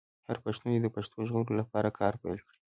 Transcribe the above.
هر پښتون دې د پښتو د ژغورلو لپاره کار پیل کړي.